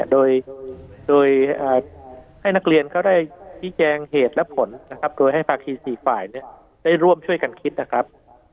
โดยให้นักเรียนเขาได้ชี้แจงเหตุและผลนะครับโดยให้ภาคี๔ฝ่ายได้ร่วมช่วยกันคิดนะครับ